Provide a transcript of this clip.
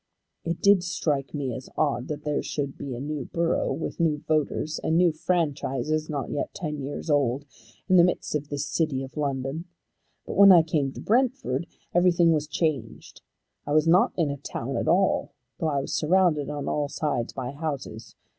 It did strike me as odd that there should be a new borough, with new voters, and new franchises, not yet ten years old, in the midst of this city of London. But when I came to Brentford, everything was changed. I was not in a town at all though I was surrounded on all sides by houses.